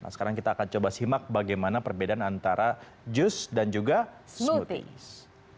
sekarang kita akan coba simak bagaimana perbedaan antara jus dan juga smoothies